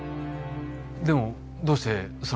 でもどうしてその事を？